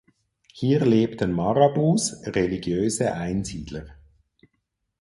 Hier lebten Marabouts, religiöse Einsiedler.